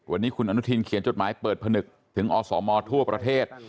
วันนี้คุณอนุทินเขียนจดหมายเปิดผนึกถึงอสมทั่วประเทศ